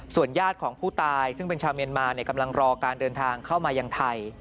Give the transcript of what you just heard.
ญาติของผู้ตายซึ่งเป็นชาวเมียนมากำลังรอการเดินทางเข้ามายังไทย